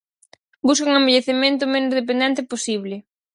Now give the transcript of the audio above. Busca un envellecemento o menos dependente posible.